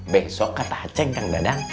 besok kata cik kang dadang